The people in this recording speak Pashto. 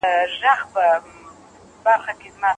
ديارلس تر دوولسو ډېر دي.